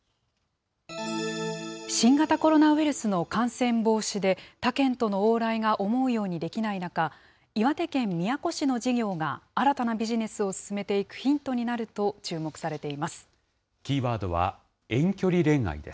新型コロナウイルスの感染防止で、他県との往来が思うようにできない中、岩手県宮古市の事業が新たなビジネスを進めていくヒントにになると注目されています。